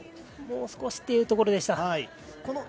もう少しというところでした。